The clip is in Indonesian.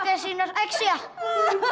itu pakai sinar eik sih ya